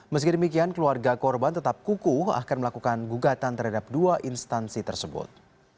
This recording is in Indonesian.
meski demikian keluarga korban tetap kukuh akan melakukan gugatan terhadap dua instansi tersebut